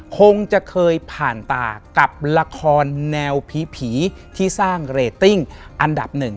คงจะเคยผ่านตากับละครแนวผีที่สร้างเรตติ้งอันดับหนึ่ง